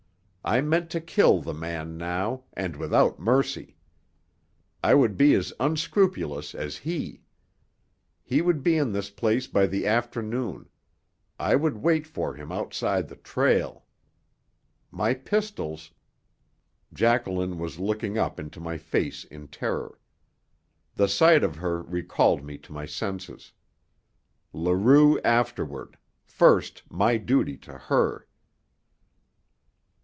I meant to kill the man now, and without mercy. I would be as unscrupulous as he. He would be in this place by the afternoon; I would wait for him outside the trail. My pistols Jacqueline was looking up into my face in terror. The sight of her recalled me to my senses. Leroux afterward first my duty to her!